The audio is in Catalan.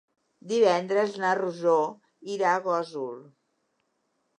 Divendres na Rosó irà a Gósol.